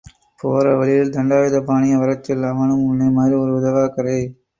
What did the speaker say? போற வழியில... தண்டாயுதபாணியை வரச் சொல்... அவனும் ஒன்னை மாதிரி ஒரு உதவாக்கரை.